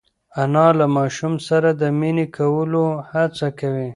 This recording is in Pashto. انا له ماشوم سره د مینې کولو هڅه کوي.